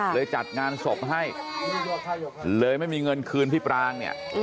จัดงานศพให้เลยไม่มีเงินคืนพี่ปรางเนี่ย